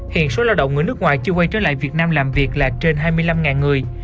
hiện số lao động người nước ngoài chưa quay trở lại việt nam làm việc là trên hai mươi năm người